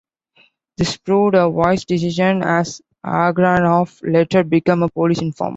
This proved a wise decision as Agranoff later became a police informer.